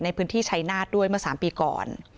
ในพื้นที่ชัยนาธด้วยเมื่อ๓ปีก่อน